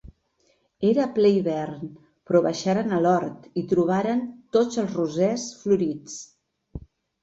Era a ple hivern, però baixaren a l’hort i trobaren tots els rosers florits.